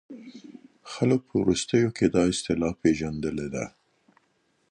خلګو په وروستيو کې دا اصطلاح پېژندلې ده.